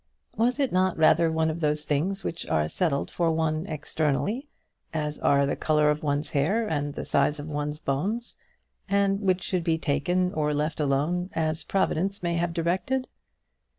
Was it not rather one of those things which are settled for one externally, as are the colour of one's hair and the size of one's bones, and which should be taken or left alone, as Providence may have directed?